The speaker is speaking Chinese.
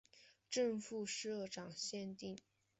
正副社长限定